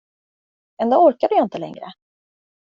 En dag orkade jag inte längre.